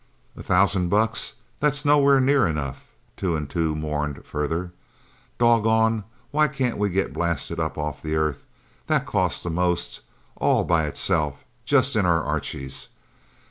"A thousand bucks that's nowhere near enough," Two and Two mourned further. "Doggone, why can't we get blasted up off the Earth that costs the most, all by itself just in our Archies?